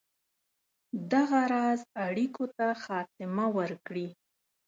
دغه راز اړېکو ته خاتمه ورکړي.